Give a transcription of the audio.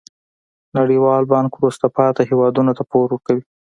نړیوال بانک وروسته پاتې هیوادونو ته پور ورکوي.